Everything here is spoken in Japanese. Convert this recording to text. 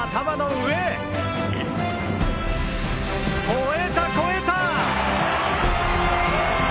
越えた越えた！